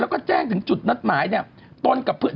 แล้วก็แจ้งถึงจุดนัดหมายเนี่ย